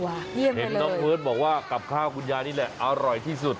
เห็นน้องเบิร์ตบอกว่ากับข้าวคุณยายนี่แหละอร่อยที่สุด